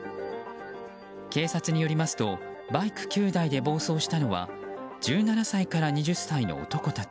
警察によりますとバイク９台で暴走したのは１７歳から２０歳の男たち。